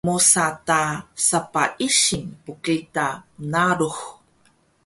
mosa ta sapah ising pqita mnarux